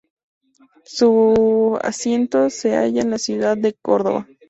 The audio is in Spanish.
Su asiento se halla en la ciudad de Córdoba.